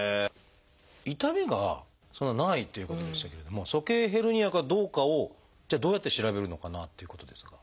痛みがそんなないっていうことでしたけれども鼠径ヘルニアかどうかをじゃあどうやって調べるのかなっていうことですが。